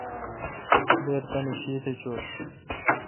دیر تانی شیتھ چویں۔